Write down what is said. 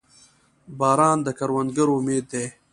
• باران د کروندګرو امید دی.